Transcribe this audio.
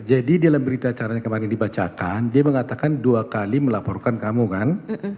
jadi dalam berita acaranya kemarin dibacakan dia mengatakan dua kali melaporkan kamu kan